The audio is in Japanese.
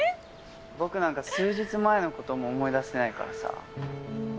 僕なんか数日前の事も思い出せないからさ。